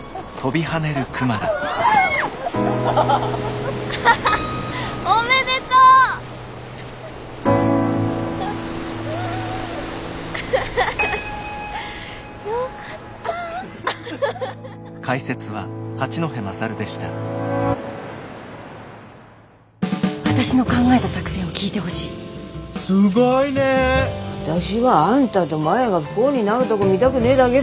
私はあんたとマヤが不幸になるどこ見だくねだけだ。